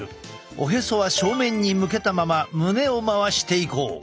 おへそは正面に向けたまま胸を回していこう。